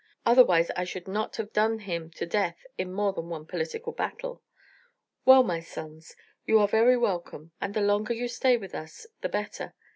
Otherwise I should not have done him to death in more than one political battle. Well, my sons, you are very welcome, and the longer you stay with us the better.